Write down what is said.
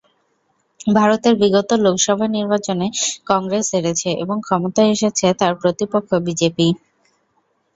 ভারতের বিগত লোকসভা নির্বাচনে কংগ্রেস হেরেছে এবং ক্ষমতায় এসেছে তার প্রতিপক্ষ বিজেপি।